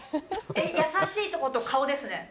優しいとこと顔ですね。